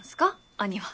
兄は。